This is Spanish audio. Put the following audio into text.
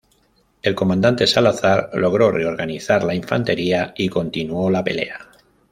El comandante Salazar logró reorganizar la infantería y continuó la pelea.